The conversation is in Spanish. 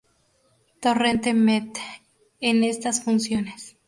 Torrente-Mett en estas funciones.